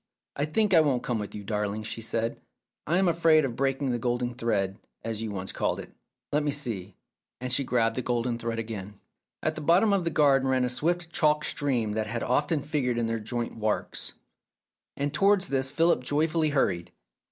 "I think I won't come with you, darling," she said. "I am afraid of breaking the golden thread, as you once called it. Let me see ..." and she grabbed the golden thread again. 300 Philip's Safety Razor At the bottom of the garden ran a swift chalk stream that had often figured in their joint works, and towards this Philip joyfully hurried.